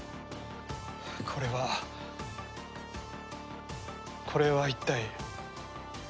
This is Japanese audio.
これはこれは一体？